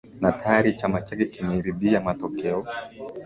na tayari chama chake kimeridhia matokeo